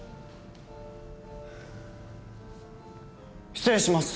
失礼します。